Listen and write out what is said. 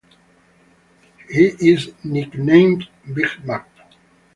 He is nicknamed "Big Mac".